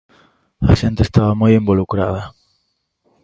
A xente estaba moi involucrada.